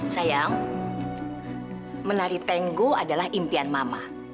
sayang menari tenggo adalah impian mama